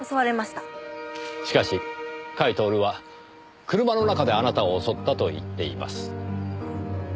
しかし甲斐享は車の中であなたを襲ったと言っています。